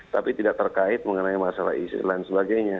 tapi tidak terkait mengenai masalah isi dan sebagainya